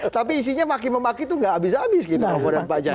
tapi isinya maki memaki itu nggak abis abis gitu komponen pak jaya